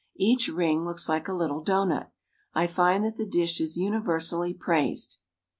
Each ring looks like a little doughnut. I find that the dish is universally praised.